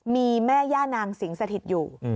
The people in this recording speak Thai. มีแม่ย่านางสิงสถิตอยู่